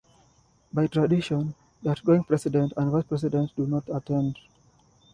By tradition, the outgoing president and vice president do not attend.